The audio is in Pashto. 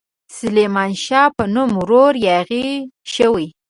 سلیمان شاه په نوم ورور یاغي شوی.